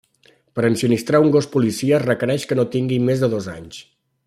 Per ensinistrar un gos policia es requereix que no tingui més de dos anys.